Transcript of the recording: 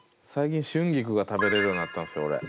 最近春菊が食べれるようになったんすよ俺。